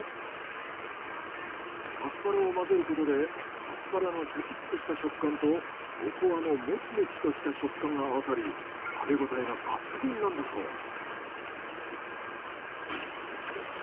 アスパラを混ぜることでアスパラのシャキッとした食感とおこわのもちもちとした食感が合わさり食べごたえが抜群なんだそう。